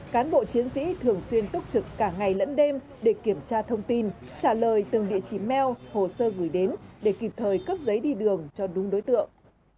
các sĩ thường xuyên túc trực cả ngày lẫn đêm để kiểm tra thông tin trả lời từng địa chỉ mail hồ sơ gửi đến để kịp thời cấp giấy đi đường cho đúng đối tượng